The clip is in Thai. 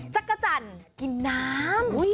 จักรจันทร์กินน้ำ